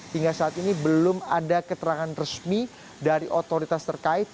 hingga saat ini belum ada keterangan resmi dari otoritas terkait